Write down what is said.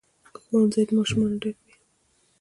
ښوونځي د ماشومانو ډک وي.